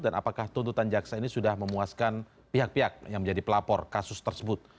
dan apakah tuntutan jaksa ini sudah memuaskan pihak pihak yang menjadi pelapor kasus tersebut